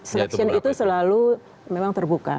section itu selalu memang terbuka